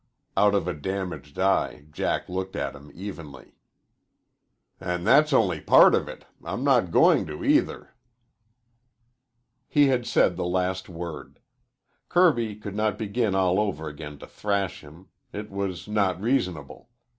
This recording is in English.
Out of a damaged eye Jack looked at him evenly. "And that's only part of it. I'm not going to, either." He had said the last word. Kirby could not begin all over again to thrash him. It was not reasonable.